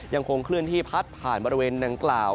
ยังคงเคลื่อนที่พัดผ่านบริเวณดังกล่าว